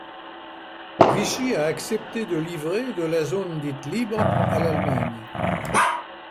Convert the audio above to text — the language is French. Vichy a accepté de livrer de la zone dite “libre” à l’Allemagne.